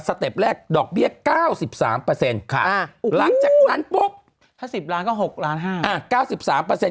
เต็ปแรกดอกเบี้ย๙๓หลังจากนั้นปุ๊บถ้า๑๐ล้านก็๖ล้าน๕๙๓